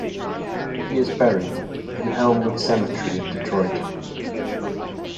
He is buried in Elmwood Cemetery in Detroit.